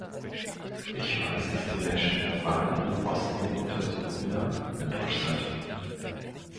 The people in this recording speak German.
Ich weiß, dass die Menschen in Albanien und Bosnien und Herzegowina enttäuscht sind.